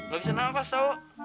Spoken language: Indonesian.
gak bisa nafas tau